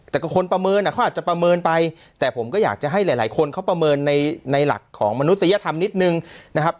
แต่ก็คนประเมินเขาอาจจะประเมินไปแต่ผมก็อยากจะให้หลายคนเขาประเมินในหลักของมนุษยธรรมนิดนึงนะครับ